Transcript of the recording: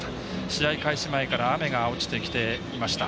試合開始前から雨が落ちてきていました。